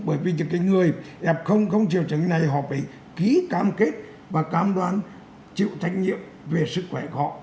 bởi vì cho cái người f không triệu chứng này họ phải ký cam kết và cam đoán chịu trách nhiệm về sức khỏe của họ